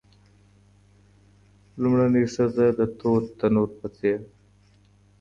لومړنۍ ښځه د تود تنور په څیر ده.